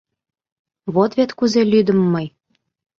Вот вет кузе лӱдым мый.